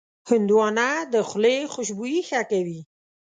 هندوانه د خولې خوشبويي ښه کوي.